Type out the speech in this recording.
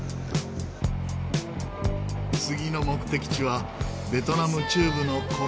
次の目的地はベトナム中部の古都フエ。